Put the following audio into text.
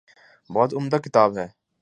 بہت عمدہ کتاب ہے۔